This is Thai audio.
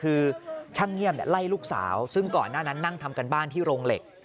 คือช่างเงียบไล่ลูกสาวซึ่งก่อนหน้านั้นนั่งทำการบ้านที่โรงเหล็ก